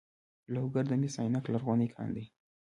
لوګر د مس عینک لرغونی کان لري